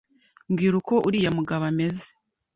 Mbwira uko uriya mugabo ameze.